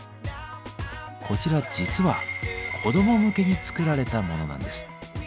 こちらは実は子ども向けに作られたものなんです。